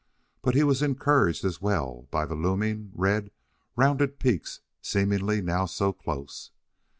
But he was encouraged as well by the looming, red, rounded peaks seemingly now so close.